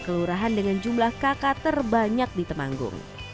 kelurahan dengan jumlah kakak terbanyak di temanggung